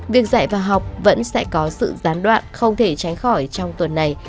việc dạy và học vẫn sẽ có sự gián đoạn không thể tránh khỏi trong tuần này